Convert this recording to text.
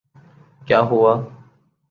کیا ہوا؟